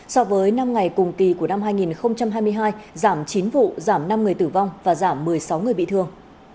so với năm ngày cùng kỳ của năm hai nghìn hai mươi hai giảm chín vụ giảm năm người tử vong và giảm một mươi sáu người bị thương